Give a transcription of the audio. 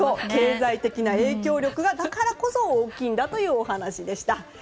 経済的な影響力がだからこそ大きいんだということでした。